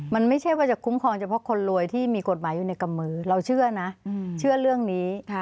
มันไม่ใช่ว่าจะคุ้มครองเฉพาะคนรวยที่มีกฎหมายอยู่ในกำมือเราเชื่อนะเชื่อเรื่องนี้